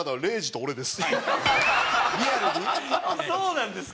あっそうなんですか？